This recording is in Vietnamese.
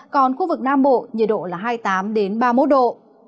còn khu vực nam bộ nhiệt độ là hai mươi tám ba mươi một độ